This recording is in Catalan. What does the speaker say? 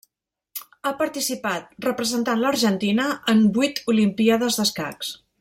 Ha participat, representant l’Argentina, en vuit olimpíades d'escacs.